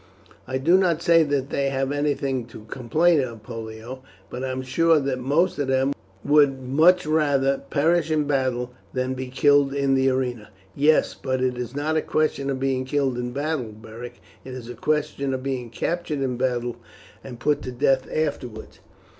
"I do not say they have anything to complain of, Pollio, but I am sure that most of them would much rather perish in battle than be killed in the arena." "Yes, but it is not a question of being killed in battle, Beric; it is a question of being captured in battle and put to death afterwards.